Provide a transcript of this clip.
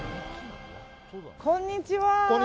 こんにちは。